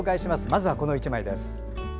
まずはこの１枚です。